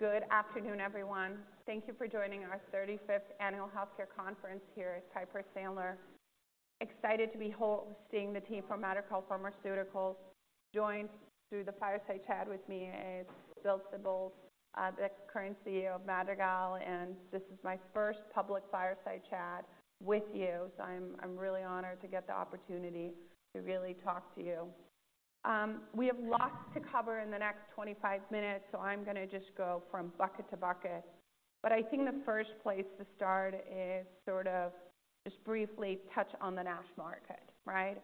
Good afternoon, everyone. Thank you for joining our 35th Annual Healthcare Conference here at Piper Sandler. Excited to be hosting the team from Madrigal Pharmaceuticals. Joined through the fireside chat with me is Bill Sibold, the current CEO of Madrigal, and this is my first public fireside chat with you. So I'm really honored to get the opportunity to really talk to you. We have lots to cover in the next 25 minutes, so I'm gonna just go from bucket to bucket. But I think the first place to start is sort of just briefly touch on the NASH market, right?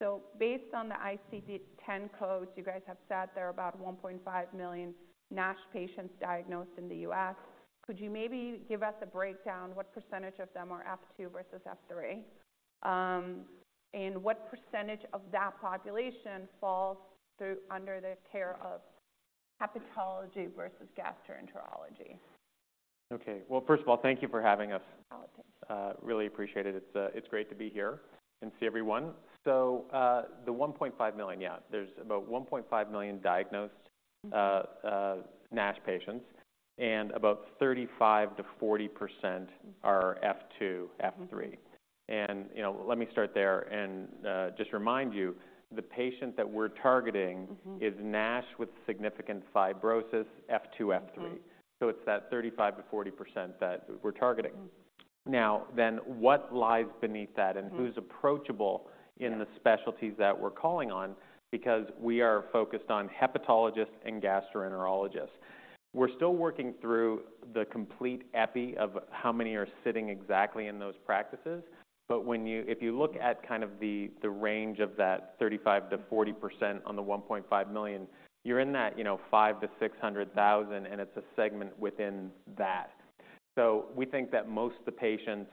So based on the ICD-10 codes, you guys have said there are about 1.5 million NASH patients diagnosed in the US. Could you maybe give us a breakdown, what percentage of them are F2 versus F3? What percentage of that population falls through under the care of hepatology versus gastroenterology? Okay. Well, first of all, thank you for having us. Oh, thanks. Really appreciate it. It's, it's great to be here and see everyone. So, the 1.5 million, yeah, there's about 1.5 million diagnosed- Mm-hmm... NASH patients, and about 35%-40% are F2, F3. Mm-hmm. And, you know, let me start there and, just remind you, the patient that we're targeting- Mm-hmm... is NASH with significant fibrosis, F2, F3. Mm-hmm. It's that 35%-40% that we're targeting. Mm-hmm. Now, then, what lies beneath that- Mm-hmm... and who's approachable- Yeah... in the specialties that we're calling on? Because we are focused on hepatologists and gastroenterologists. We're still working through the complete epi of how many are sitting exactly in those practices. But when you, if you look at kind of the range of that 35%-40% on the 1.5 million, you're in that, you know, 500,000-600,000, and it's a segment within that. So we think that most of the patients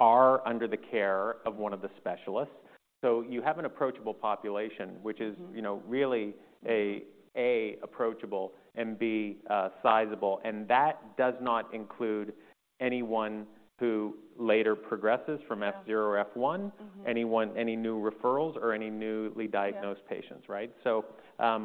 are under the care of one of the specialists. So you have an approachable population, which is- Mm-hmm... you know, really A, approachable and B, sizable, and that does not include anyone who later progresses from F0- Yeah... or F1- Mm-hmm... anyone, any new referrals or any newly diagnosed- Yeah... patients, right? So,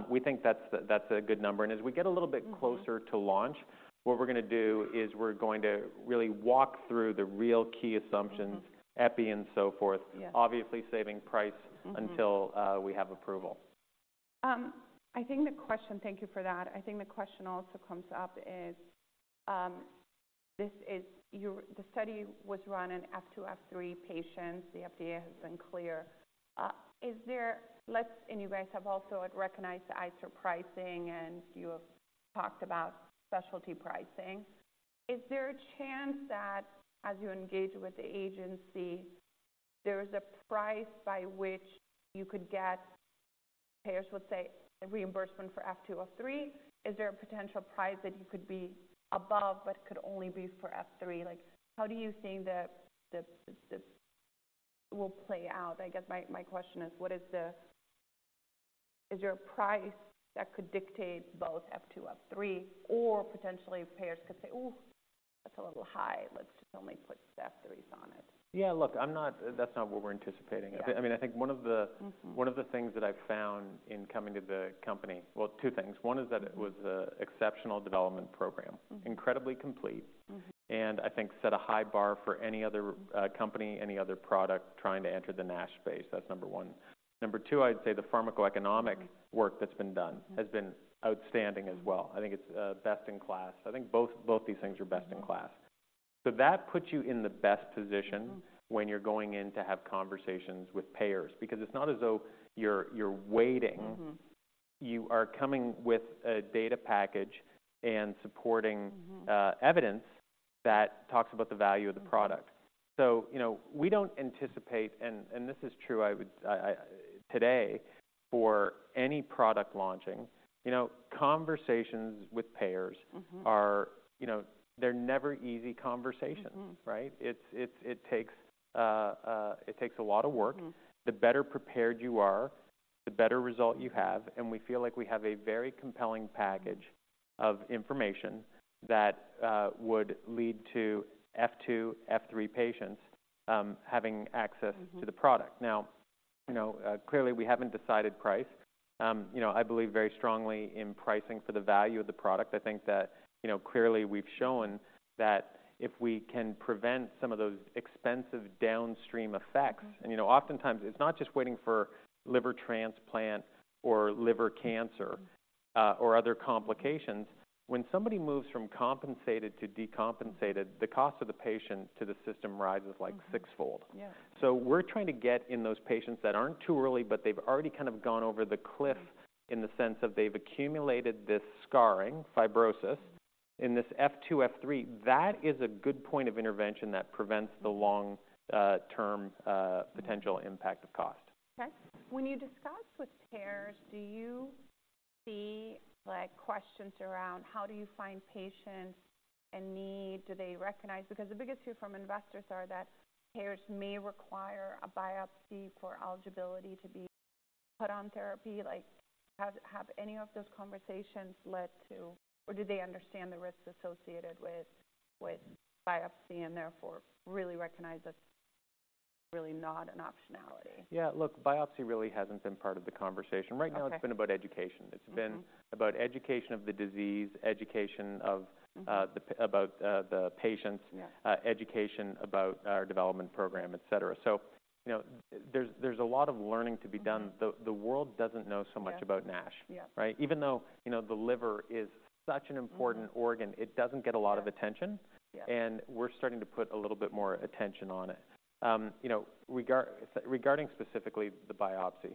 we think that's a good number. And as we get a little bit- Mm-hmm... closer to launch, what we're gonna do is we're going to really walk through the real key assumptions- Mm-hmm... epi and so forth. Yeah... obviously saving price- Mm-hmm... until we have approval. I think the question... Thank you for that. I think the question also comes up is, this is your—the study was run in F2, F3 patients. The FDA has been clear. Is there less, and you guys have also recognized the ICER pricing, and you have talked about specialty pricing. Is there a chance that as you engage with the agency, there is a price by which you could get, payers would say, a reimbursement for F2 or F3? Is there a potential price that you could be above, but could only be for F3? Like, how do you think the will play out? I guess my question is, what is the... Is there a price that could dictate both F2, F3, or potentially payers could say, "Ooh, that's a little high. Let's just only put the F3s on it? Yeah, look, I'm not. That's not what we're anticipating. Yeah. I mean, I think one of the- Mm-hmm ...one of the things that I've found in coming to the company. Well, two things. One is that- Mm... it was an exceptional development program. Mm. Incredibly complete. Mm-hmm. I think set a high bar for any other company, any other product trying to enter the NASH space. That's number one. Number two, I'd say the pharmacoeconomic- Mm... work that's been done- Mm... has been outstanding as well. I think it's best in class. I think both, both these things are best in class. Mm-hmm. So that puts you in the best position. Mm-hmm... when you're going in to have conversations with payers, because it's not as though you're waiting. Mm-hmm. You are coming with a data package and supporting- Mm-hmm... evidence that talks about the value of the product. Mm-hmm. So, you know, we don't anticipate, and this is true, I would... Today, for any product launching, you know, conversations with payers. Mm-hmm... are, you know, they're never easy conversations. Mm-hmm. Right? It takes a lot of work. Mm-hmm. The better prepared you are, the better result you have, and we feel like we have a very compelling package- Mm... of information that would lead to F2, F3 patients having access- Mm-hmm... to the product. Now, you know, clearly, we haven't decided price. You know, I believe very strongly in pricing for the value of the product. I think that, you know, clearly we've shown that if we can prevent some of those expensive downstream effects- Mm-hmm... And you know, oftentimes, it's not just waiting for liver transplant or liver cancer- Mm-hmm... or other complications. When somebody moves from compensated to decompensated, the cost of the patient to the system rises like sixfold. Mm-hmm. Yeah. So we're trying to get in those patients that aren't too early, but they've already kind of gone over the cliff- Mm-hmm... in the sense of they've accumulated this scarring, fibrosis. In this F2, F3, that is a good point of intervention that prevents the long-term- Mm-hmm... potential impact of cost. Okay. When you discuss with payers, do you see, like, questions around how do you find patients in need? Do they recognize? Because the biggest fear from investors are that payers may require a biopsy for eligibility to be put on therapy. Like, have any of those conversations led to, or do they understand the risks associated with, with biopsy and therefore really recognize that-... really not an optionality. Yeah, look, biopsy really hasn't been part of the conversation. Okay. Right now, it's been about education. Mm-hmm. It's been about education of the disease, education of Mm-hmm... about, the patients- Yeah Education about our development program, etc. So, you know, there's, there's a lot of learning to be done. Mm-hmm. The world doesn't know so much- Yeah -about NASH. Yeah. Right? Even though, you know, the liver is such an important- Mm-hmm organ, it doesn't get a lot of attention. Yeah. We're starting to put a little bit more attention on it. You know, regarding specifically the biopsy,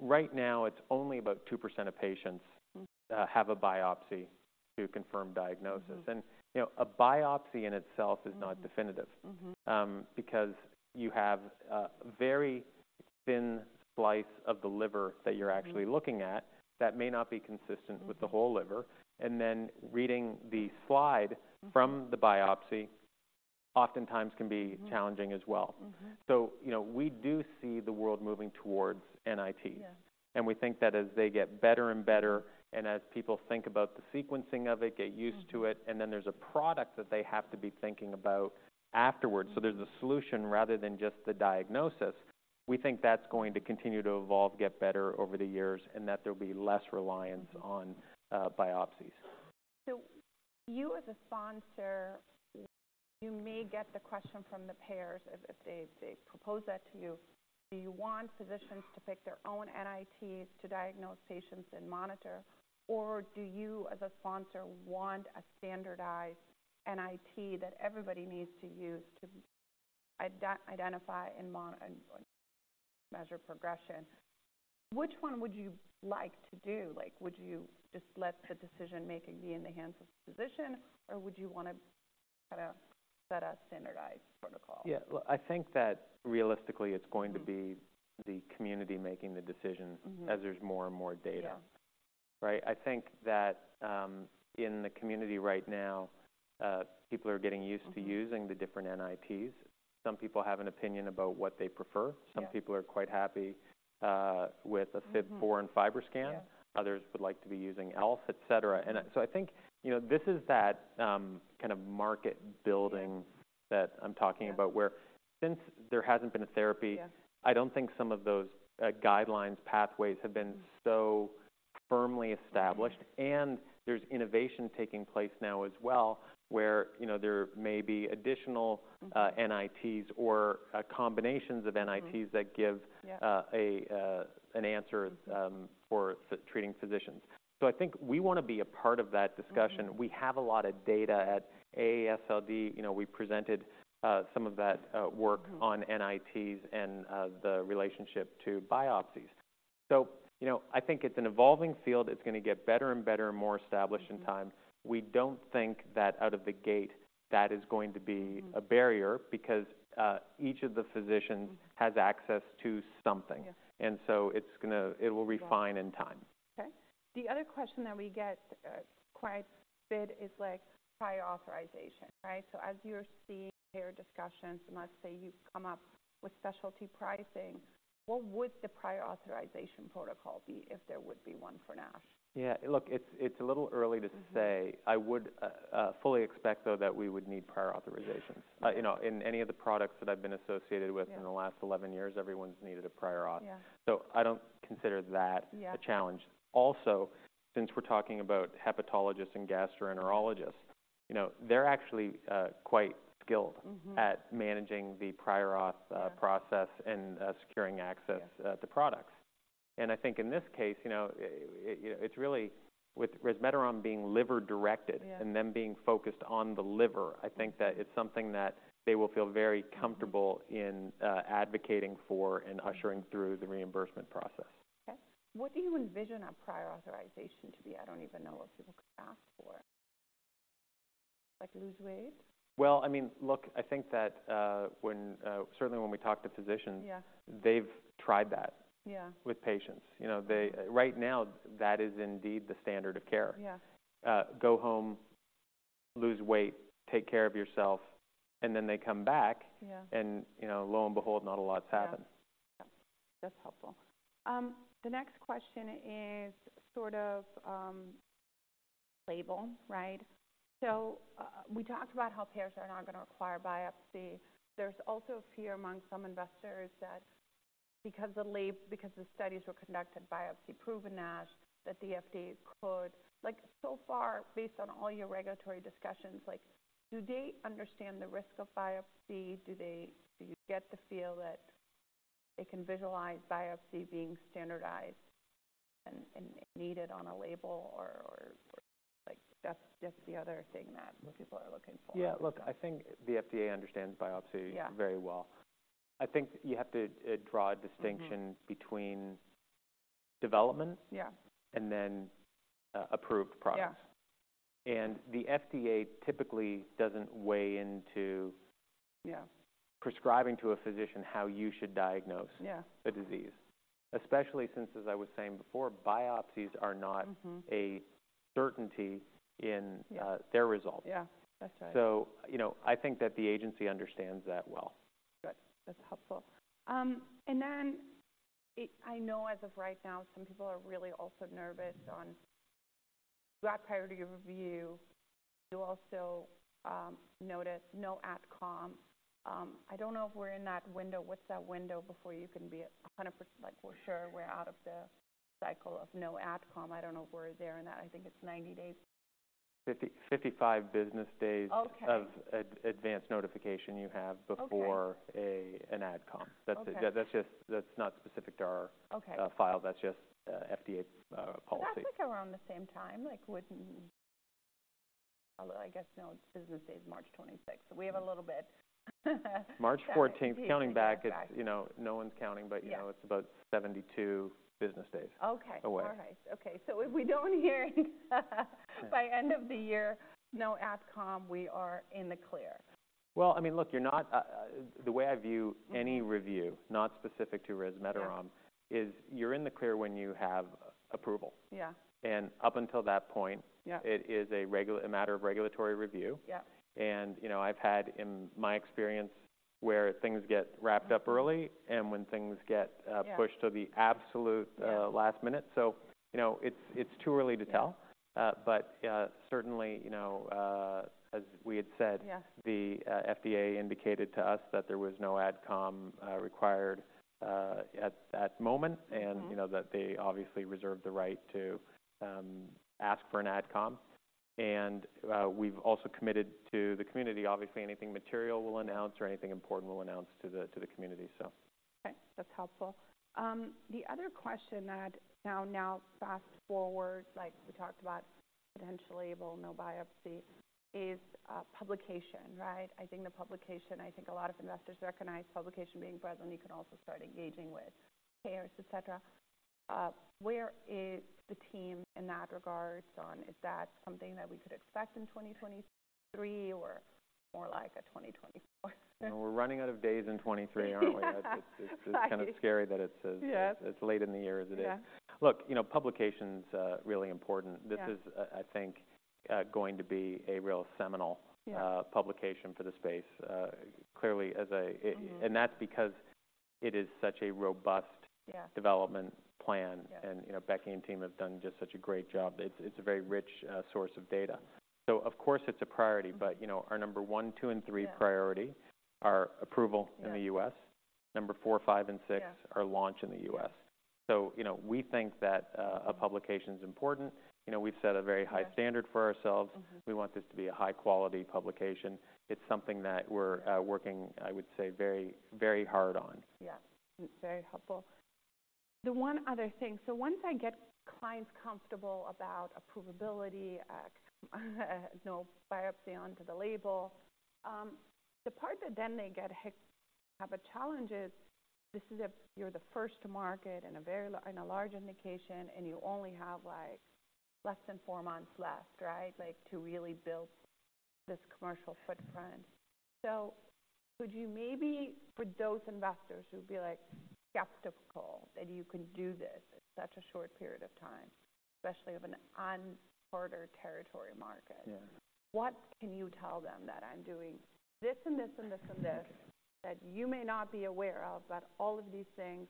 right now, it's only about 2% of patients- Mm-hmm Have a biopsy to confirm diagnosis. Mm-hmm. You know, a biopsy in itself is not definitive. Mm-hmm. because you have a very thin slice of the liver- Mm-hmm that you're actually looking at, that may not be consistent Mm-hmm with the whole liver. And then reading the slide. Mm-hmm from the biopsy oftentimes can be Mm-hmm challenging as well. Mm-hmm. You know, we do see the world moving towards NIT. Yeah. We think that as they get better and better, and as people think about the sequencing of it, get used to it- Mm-hmm... and then there's a product that they have to be thinking about afterwards. So there's a solution rather than just the diagnosis. We think that's going to continue to evolve, get better over the years, and that there'll be less reliance on biopsies. So you as a sponsor, you may get the question from the payers if they propose that to you. Do you want physicians to pick their own NITs to diagnose patients and monitor? Or do you, as a sponsor, want a standardized NIT that everybody needs to use to identify and measure progression? Which one would you like to do? Like, would you just let the decision-making be in the hands of the physician, or would you want to kind of set a standardized protocol? Yeah. Well, I think that realistically, it's going to be the community making the decision- Mm-hmm as there's more and more data. Yeah. Right? I think that, in the community right now, people are getting used to- Mm-hmm Using the different NITs. Some people have an opinion about what they prefer. Yeah. Some people are quite happy with Mm-hmm -Fib-4 and FibroScan. Yeah. Others would like to be using ELF, etc. And so I think, you know, this is that, kind of market building- Yeah that I'm talking about, where since there hasn't been a therapy- Yeah... I don't think some of those, guidelines, pathways have been- Mm-hmm so firmly established. Mm-hmm. There's innovation taking place now as well, where, you know, there may be additional- Mm-hmm - NITs or, combinations of NITs- Mm-hmm -that give- Yeah An answer for the treating physicians. So I think we wanna be a part of that discussion. Mm-hmm. We have a lot of data at AASLD. You know, we presented some of that work- Mm-hmm on NITs and the relationship to biopsies. So, you know, I think it's an evolving field. It's gonna get better and better and more established in time. Mm-hmm. We don't think that out of the gate, that is going to be- Mm a barrier, because each of the physicians- Mm has access to something. Yeah. And so it will refine in time. Yeah. Okay. The other question that we get quite a bit is like prior authorization, right? So as you're seeing payer discussions, let's say you come up with specialty pricing, what would the prior authorization protocol be if there would be one for NASH? Yeah, look, it's a little early to say. Mm-hmm. I would fully expect, though, that we would need prior authorization. You know, in any of the products that I've been associated with- Yeah In the last 11 years, everyone's needed a prior auth. Yeah. I don't consider that- Yeah -a challenge. Also, since we're talking about hepatologists and gastroenterologists, you know, they're actually quite skilled- Mm-hmm at managing the prior auth Yeah... process and securing access- Yeah to products. And I think in this case, you know, it's really with resmetirom being liver directed- Yeah and them being focused on the liver, I think that it's something that they will feel very comfortable in, advocating for and ushering through the reimbursement process. Okay. What do you envision our prior authorization to be? I don't even know what people could ask for. Like, lose weight? Well, I mean, look, I think that, certainly when we talk to physicians- Yeah... they've tried that- Yeah with patients. You know, right now, that is indeed the standard of care. Yeah. Go home, lose weight, take care of yourself, and then they come back- Yeah you know, lo and behold, not a lot's happened. Yeah. Yeah, that's helpful. The next question is sort of label, right? So, we talked about how payers are not gonna require biopsy. There's also fear among some investors that because the studies were conducted biopsy-proven NASH, that the FDA could... Like, so far, based on all your regulatory discussions, like, do they understand the risk of biopsy? Do they, do you get the feel that they can visualize biopsy being standardized and needed on a label? Or, like, that's the other thing that most people are looking for. Yeah, look, I think the FDA understands biopsy- Yeah Very well. I think you have to draw a distinction- Mm-hmm -between development- Yeah... and then, approved products. Yeah. The FDA typically doesn't weigh into- Yeah prescribing to a physician how you should diagnose. Yeah a disease. Especially since, as I was saying before, biopsies are not- Mm-hmm a certainty in Yeah - their results. Yeah, that's right. So, you know, I think that the agency understands that well. Good, that's helpful. And then, I know as of right now, some people are really also nervous. You got Priority Review. You also noted no AdCom. I don't know if we're in that window. What's that window before you can be 100%, like, for sure we're out of the cycle of no AdCom? I don't know if we're there, and I think it's 90 days. 50-55 business days- Okay. of advanced notification you have before Okay an AdCom. Okay. That's it. That's just not specific to our- Okay That's just FDA policy. That's, like, around the same time, like, with... Although I guess, no, it's business days, March twenty-sixth, so we have a little bit. March fourteenth, counting back, it's- Counting back. You know, no one's counting, but Yeah -you know, it's about 72 business days- Okay. -away. All right. Okay, so if we don't hear by end of the year, no AdCom, we are in the clear. Well, I mean, look, you're not, the way I view any review, not specific to resmetirom- Yeah You're in the clear when you have approval. Yeah. Up until that point- Yeah A matter of regulatory review. Yeah. You know, I've had in my experience, where things get wrapped up early- Mm-hmm and when things get, Yeah pushed to the absolute Yeah last minute. So, you know, it's, it's too early to tell. Yeah. But certainly, you know, as we had said- Yeah The FDA indicated to us that there was no AdCom required at that moment. Mm-hmm. And, you know, that they obviously reserved the right to ask for an AdCom. And, we've also committed to the community, obviously, anything material we'll announce, or anything important we'll announce to the community, so. Okay, that's helpful. The other question that now, now fast-forward, like, we talked about potential label, no biopsy, is publication, right? I think the publication, I think a lot of investors recognize publication being present, you can also start engaging with payers, et cetera. Where is the team in that regards on... Is that something that we could expect in 2023 or more like a 2024? We're running out of days in 2023, aren't we? Yeah. It's kind of scary that it's- Yeah... as late in the year as it is. Yeah. Look, you know, publication's really important. Yeah. This is, I think, going to be a real seminal- Yeah publication for the space, clearly, as a- Mm-hmm... That's because it is such a robust- Yeah -development plan. Yeah. You know, [inaudible] and team have done just such a great job. It's a very rich source of data. Of course, it's a priority- Mm-hmm but, you know, our number one, two, and three Yeah priority are approval Yeah -in the U.S. Number 4, 5, and 6- Yeah our launch in the U.S. Yeah. So, you know, we think that a publication's important. You know, we've set a very high- Yeah standard for ourselves. Mm-hmm. We want this to be a high-quality publication. It's something that we're working, I would say, very, very hard on. Yeah. It's very helpful. The one other thing, so once I get clients comfortable about approvability, no biopsy onto the label, the part that then they have a challenge is, this is, you're the first to market in a very in a large indication, and you only have, like, less than 4 months left, right? Like, to really build this commercial footprint. So could you maybe, for those investors who would be, like, skeptical that you can do this in such a short period of time, especially of an uncharted territory market- Yeah... What can you tell them, that I'm doing this and this, and this, and this- Mm-hmm that you may not be aware of, but all of these things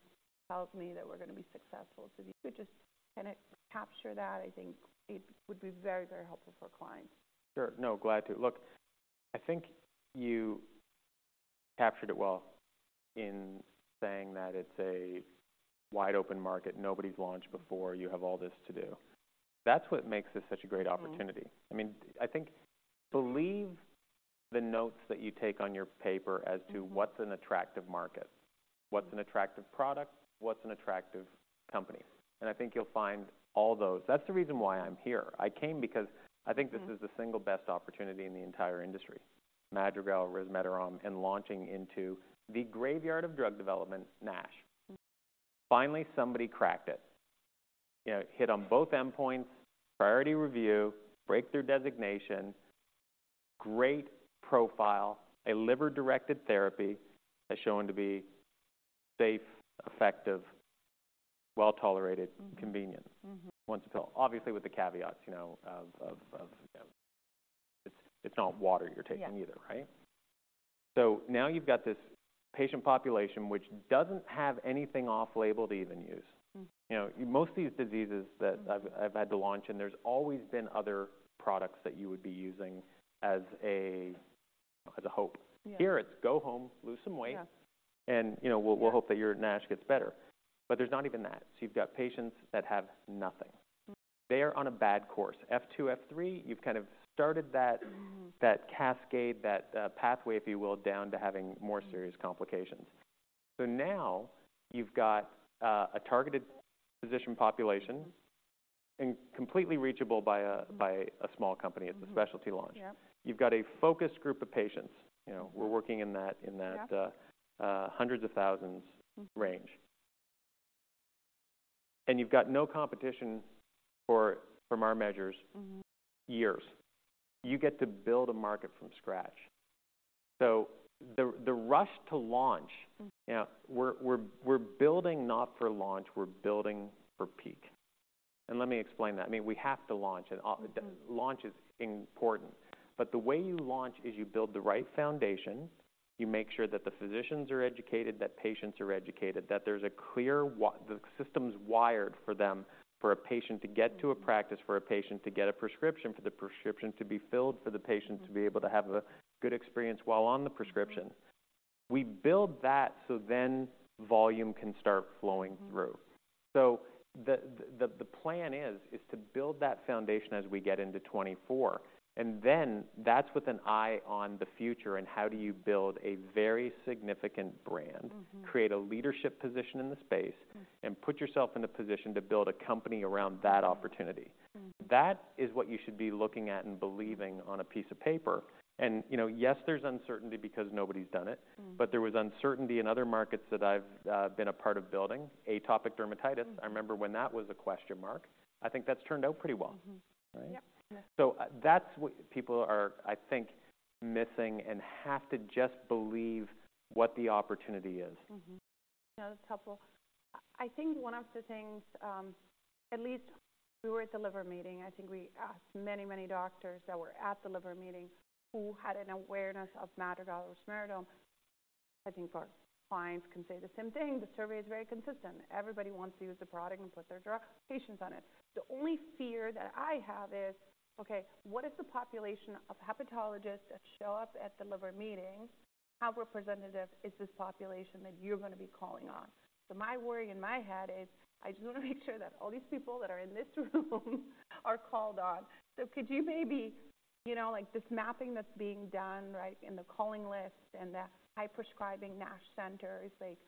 tells me that we're going to be successful? So if you could just kind of capture that, I think it would be very, very helpful for clients. Sure. No, glad to. Look, I think you captured it well in saying that it's a wide open market, nobody's launched before, you have all this to do. That's what makes this such a great opportunity. Mm. I mean, I think, believe the notes that you take on your paper- Mm As to what's an attractive market, what's an attractive product, what's an attractive company? And I think you'll find all those. That's the reason why I'm here. I came because I think- Mm This is the single best opportunity in the entire industry, Madrigal, resmetirom, and launching into the graveyard of drug development, NASH. Mm. Finally, somebody cracked it. You know, hit on both endpoints, Priority Review, Breakthrough Designation, great profile, a liver-directed therapy that's shown to be safe, effective, well-tolerated- Mm -convenient. Mm-hmm. Once a pill. Obviously, with the caveats, you know, you know... It's not water you're taking- Yeah either, right? So now you've got this patient population, which doesn't have anything off-label to even use. Mm. You know, most of these diseases that- Mm I've had to launch, and there's always been other products that you would be using as a hope. Yeah. Here, it's go home, lose some weight- Yeah and, you know, we'll Yeah We'll hope that your NASH gets better. But there's not even that. So you've got patients that have nothing. Mm. They are on a bad course. F2, F3, you've kind of started that- Mm-hmm -that cascade, that, pathway, if you will, down to having more- Mm -serious complications. So now you've got, a targeted physician population- Mm-hmm and completely reachable by a Mm -small company. Mm. It's a specialty launch. Yeah. You've got a focused group of patients. You know- Mm We're working in that. Yeah hundreds of thousands- Mm-hmm range. And you've got no competition for, from our measures- Mm-hmm -years. You get to build a market from scratch. So the rush to launch- Mm. You know, we're building not for launch, we're building for peak. And let me explain that. I mean, we have to launch, and o- Mm-hmm Launch is important, but the way you launch is you build the right foundation... You make sure that the physicians are educated, that patients are educated, that there's a clear what the system's wired for them, for a patient to get to a practice, for a patient to get a prescription, for the prescription to be filled, for the patient to be able to have a good experience while on the prescription. We build that, so then volume can start flowing through. Mm-hmm. So the plan is to build that foundation as we get into 2024, and then that's with an eye on the future and how do you build a very significant brand- Mm-hmm. Create a leadership position in the space, and put yourself in a position to build a company around that opportunity. Mm. That is what you should be looking at and believing on a piece of paper. And, you know, yes, there's uncertainty because nobody's done it- Mm. But there was uncertainty in other markets that I've been a part of building. Atopic dermatitis. Mm... I remember when that was a question mark. I think that's turned out pretty well. Mm-hmm. Right? Yep. That's what people are, I think, missing and have to just believe what the opportunity is. Mm-hmm. That's helpful. I think one of the things, at least we were at the Liver Meeting, I think we asked many, many doctors that were at the Liver Meeting who had an awareness of Madrigal or resmetirom. I think our clients can say the same thing. The survey is very consistent. Everybody wants to use the product and put their NASH patients on it. The only fear that I have is, okay, what is the population of hepatologists that show up at the Liver Meeting? How representative is this population that you're gonna be calling on? So my worry in my head is, I just wanna make sure that all these people that are in this room are called on. So could you maybe, you know, like this mapping that's being done, right? In the calling list and the high prescribing NASH centers, like,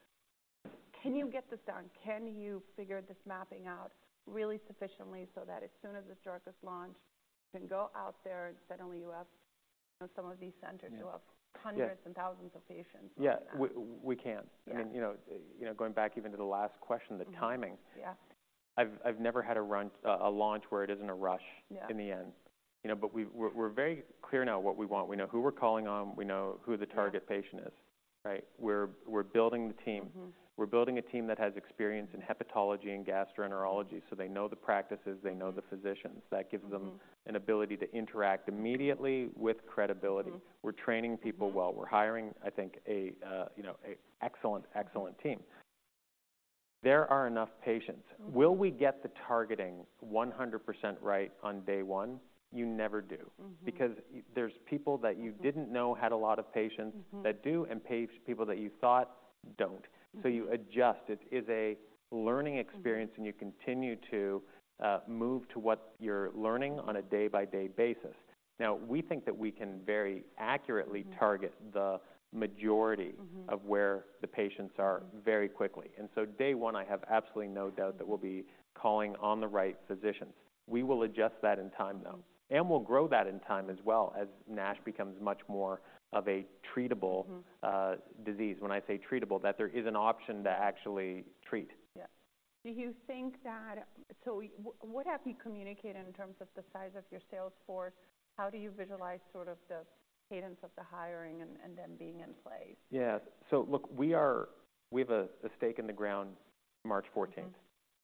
can you get this done? Can you figure this mapping out really sufficiently so that as soon as this drug is launched, you can go out there, and suddenly you have some of these centers- Yeah. You have hundreds. Yeah and thousands of patients. Yeah, we can. Yeah. I mean, you know, you know, going back even to the last question, the timing. Yeah. I've never had a run... a launch where it isn't a rush- Yeah... in the end. You know, but we're very clear now what we want. We know who we're calling on, we know who the target patient- Yeah Is, right? We're, we're building the team. Mm-hmm. We're building a team that has experience in hepatology and gastroenterology, so they know the practices, they know the physicians. Mm-hmm. That gives them an ability to interact immediately with credibility. Mm-hmm. We're training people well. We're hiring, I think, a, you know, a excellent, excellent team. There are enough patients. Mm-hmm. Will we get the targeting 100% right on day one? You never do. Mm-hmm. Because there's people that you didn't know had a lot of patients- Mm-hmm... that do, and people that you thought, don't. Mm-hmm. You adjust. It is a learning experience- Mm-hmm And you continue to move to what you're learning on a day-by-day basis. Now, we think that we can very accurately- Mm... target the majority- Mm-hmm of where the patients are very quickly. And so day one, I have absolutely no doubt that we'll be calling on the right physicians. We will adjust that in time, though, and we'll grow that in time as well, as NASH becomes much more of a treatable- Mm-hmm... disease. When I say treatable, that there is an option to actually treat. Yes. Do you think that... So what have you communicated in terms of the size of your sales force? How do you visualize sort of the cadence of the hiring and, and then being in place? Yeah. So look, we have a stake in the ground March fourteenth.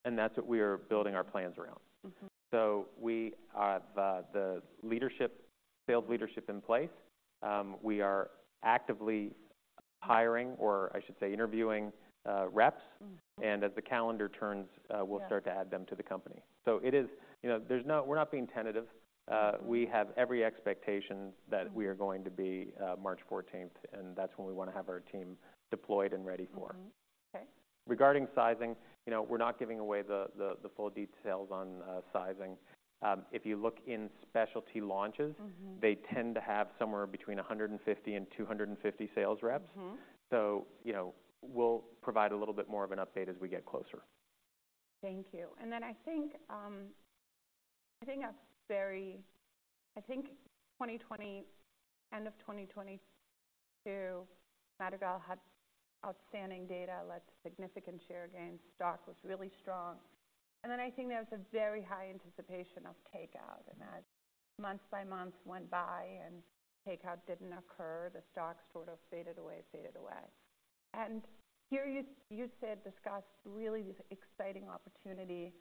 Mm-hmm. That's what we are building our plans around. Mm-hmm. So we have the leadership, sales leadership in place. We are actively hiring, or I should say, interviewing reps. Mm. As the calendar turns. Yeah... we'll start to add them to the company. So it is... You know, there's no- we're not being tentative. We have every expectation- Mm -that we are going to be March fourteenth, and that's when we wanna have our team deployed and ready for. Mm-hmm. Okay. Regarding sizing, you know, we're not giving away the full details on sizing. If you look in specialty launches- Mm-hmm... they tend to have somewhere between 150 and 250 sales reps. Mm-hmm. you know, we'll provide a little bit more of an update as we get closer. Thank you. Then I think 2020, end of 2022, Madrigal had outstanding data, led to significant share gains. Stock was really strong. Then I think there was a very high anticipation of takeout. And as month by month went by and takeout didn't occur, the stock sort of faded away, faded away. And here, you said, discussed really this exciting opportunity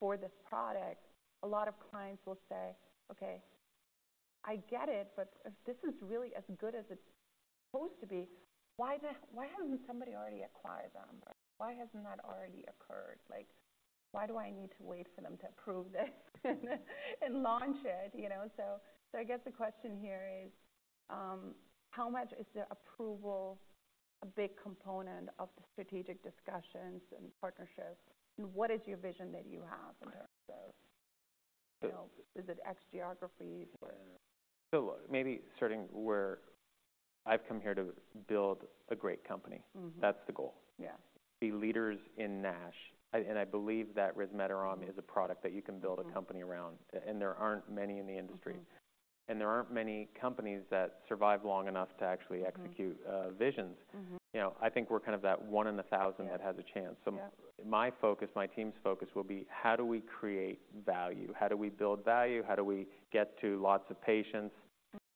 for this product. A lot of clients will say, "Okay, I get it, but if this is really as good as it's supposed to be, why the, why hasn't somebody already acquired them?" Why hasn't that already occurred? Like, why do I need to wait for them to approve this and launch it? You know, so I guess the question here is, how much is the approval a big component of the strategic discussions and partnerships, and what is your vision that you have in terms of- The- You know, is it ex-geographies or? Maybe starting where I've come here to build a great company. Mm-hmm. That's the goal. Yeah. Be leaders in NASH. I believe that resmetirom is a product that you can build- Mm... a company around, and there aren't many in the industry. Mm-hmm. There aren't many companies that survive long enough to actually execute- Mm... visions. Mm-hmm. You know, I think we're kind of that one in a thousand- Yeah... that has a chance. Yeah. My focus, my team's focus will be: how do we create value? How do we build value? How do we get to lots of patients?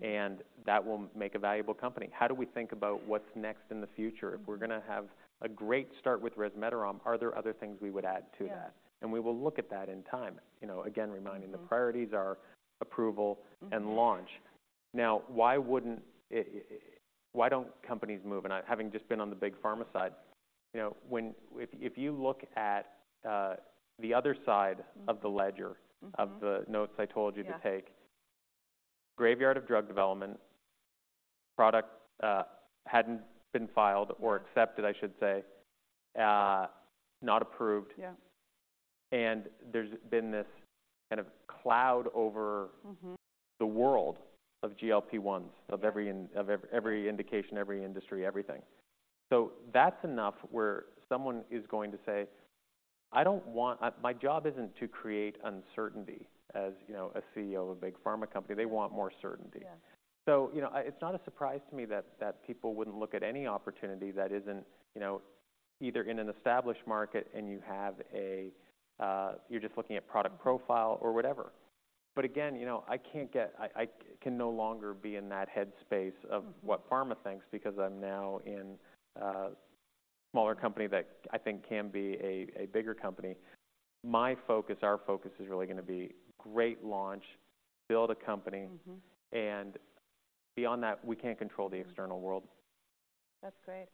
Mm-hmm. That will make a valuable company. How do we think about what's next in the future? If we're gonna have a great start with resmetirom, are there other things we would add to that? Yeah. We will look at that in time. You know, again, reminding- Mm... the priorities are approval- Mm-hmm... and launch. Now, why wouldn't it, why don't companies move? And I, having just been on the big pharma side, you know, when if you look at the other side- Mm... of the ledger. Mm-hmm... of the notes I told you to take- Yeah... graveyard of drug development, product hadn't been filed or accepted, I should say, not approved. Yeah. There's been this kind of cloud over- Mm-hmm... the world of GLP-1s- Yeah... of every indication, every industry, everything. So that's enough where someone is going to say, "I don't want... my job isn't to create uncertainty, as, you know, a CEO of a big pharma company." They want more certainty. Yeah. So, you know, it's not a surprise to me that people wouldn't look at any opportunity that isn't, you know, either in an established market and you have a... You're just looking at product profile or whatever. But again, you know, I can't get, I can no longer be in that headspace of what pharma thinks, because I'm now in a smaller company that I think can be a bigger company. My focus, our focus is really gonna be great launch, build a company. Mm-hmm. Beyond that, we can't control the external world. That's great.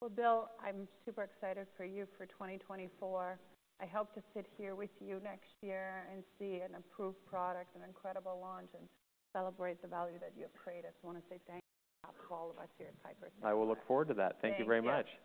Well, Bill, I'm super excited for you for 2024. I hope to sit here with you next year and see an approved product, an incredible launch, and celebrate the value that you have created. I wanna say thank you on behalf of all of us here at Piper Sandler. I will look forward to that. Thank you. Thank you very much. Thanks.